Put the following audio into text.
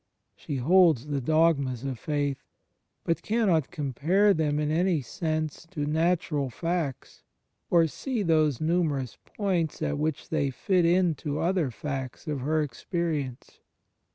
She holds the dogmas of faith, but cannot compare them in any sense to natural facts or see those numerous points at which they fit in to other facts of her experience.